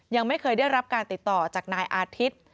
ยังไม่เคยได้รับการติดต่อจากนายอาทิตย์